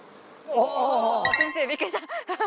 あ先生びっくりした。